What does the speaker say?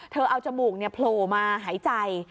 เอาจมูกโผล่มาหายใจ